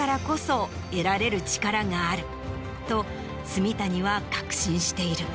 と住谷は確信している。